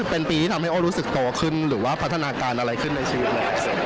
เป็นปีที่ทำให้โอ้รู้สึกโตขึ้นหรือว่าพัฒนาการอะไรขึ้นในชีวิตนะครับ